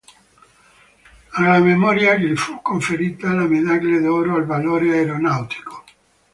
Alla memoria gli fu conferita la Medaglia d'Oro al Valore Aeronautico.